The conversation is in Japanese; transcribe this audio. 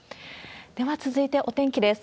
では続いてお天気です。